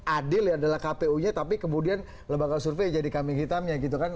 adil ya adalah kpu nya tapi kemudian lembaga survei jadi kambing hitamnya gitu kan